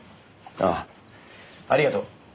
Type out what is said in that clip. ああありがとう。